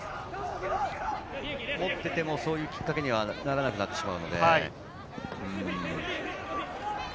持っていてもそういうきっかけにならなくなってしまうので。